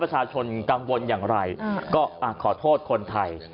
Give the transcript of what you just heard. ประชาชนกังวลอย่างไรก็ขอโทษคนไทย